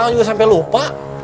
ah juga sampe lupa